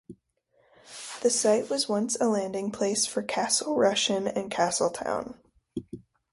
The site was once a landing place for Castle Rushen and Castletown.